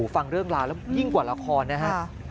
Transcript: ฟังเรื่องรายิ่งกว่าราคอนะครับ